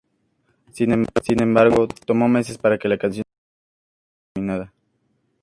Sin embargo, tomó meses para que la canción estuviese totalmente terminada.